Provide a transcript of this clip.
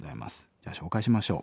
じゃあ紹介しましょう。